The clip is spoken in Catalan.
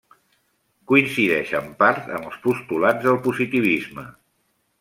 Coincideix en part amb els postulats del positivisme.